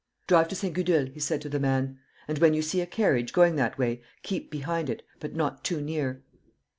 "Drive to St. Gudule," he said to the man, "and when you see a carriage going that way, keep behind it, but not too near."